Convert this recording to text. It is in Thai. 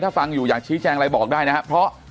ถ้าฟังอยู่อยากชี้แจงอะไรบอกได้นะครับเพราะ